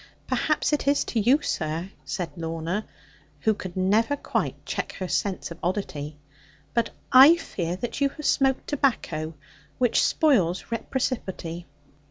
'Perhaps it is to you, sir,' said Lorna, who could never quite check her sense of oddity; 'but I fear that you have smoked tobacco, which spoils reciprocity.'